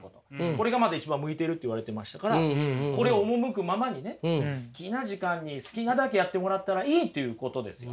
これが一番向いてると言われてましたからこれを赴くままにね好きな時間に好きなだけやってもらったらいいっていうことですよ。